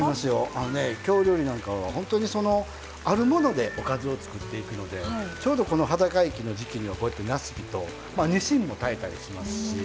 あのね京料理なんかはほんとにそのあるものでおかずを作っていくのでちょうどこの端境期の時期にはこうやってなすびとにしんも炊いたりしますし。